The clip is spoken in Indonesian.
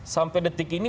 sampai detik ini